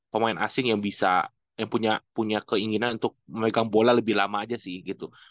pemain asing yang bisa yang punya keinginan untuk memegang bola lebih lama aja sih gitu